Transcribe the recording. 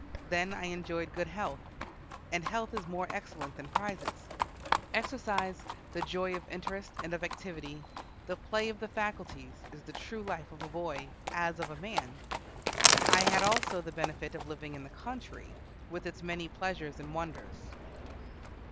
Then I enjoyed good health, and health is more excellent than prizes. Exercise, the joy of interest and of activity, the play of the faculties, is the true life of a boy, as of a man. I had also the benefit of living in the country, with its many pleasures and wonders."